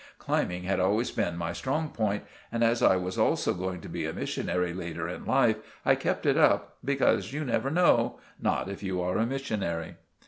Climbing had always been my strong point, and, as I was also going to be a missionary later in life, I kept it up, because you never know—not if you are a missionary.